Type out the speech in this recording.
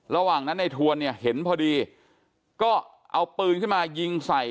ระหว่างนั้นในทวนเนี่ยเห็นพอดีก็เอาปืนขึ้นมายิงใส่